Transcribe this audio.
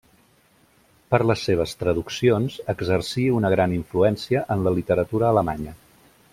Per les seves traduccions exercí una gran influència en la literatura alemanya.